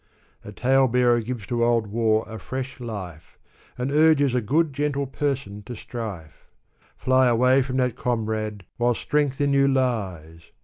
" A talebearer gives to old war a fresh life, And urges a good, gentle person to strife. Fly away from that comrade, while strength in you lies